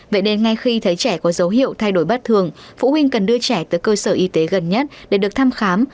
vậy nên ngay khi thấy trẻ có dấu hiệu thay đổi bất thường phụ huynh cần đưa trẻ tới cơ sở y tế gần nhất để được thăm khám